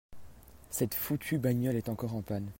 Cette foutue bagnole est encore en panne.